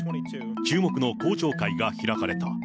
注目の公聴会が開かれた。